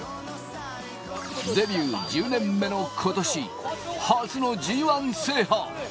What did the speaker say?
デビュー１０年目の今年、初のＧ１制覇。